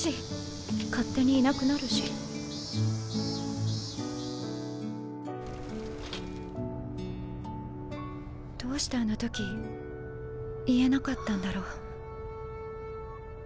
勝手にいなくなるしどうしてあの時言えなかったんだろう